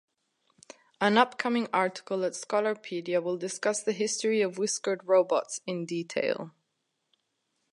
An upcoming article at Scholarpedia will discuss the history of whiskered Robots in detail.